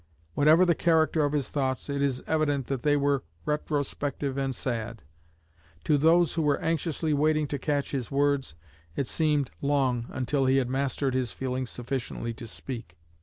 Whatever the character of his thoughts, it is evident that they were retrospective and sad. To those who were anxiously waiting to catch his words it seemed long until he had mastered his feelings sufficiently to speak.